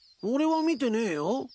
俺は見てねえよ。